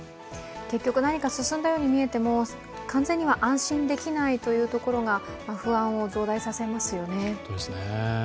結局何か進んだように見えても完全には安心できないというところが不安を増大させますよね。